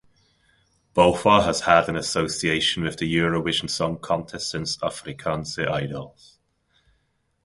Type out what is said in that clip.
Botha has had an association with the Eurovision Song Contest since "Afrikaanse Idols".